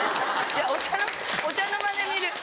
いやお茶の間で見る。